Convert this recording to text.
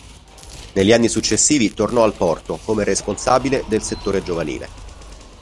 Negli anni successivi tornò al Porto come responsabile del settore giovanile.